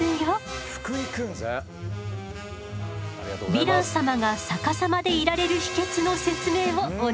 ヴィラン様が逆さまでいられる秘けつの説明をお願い。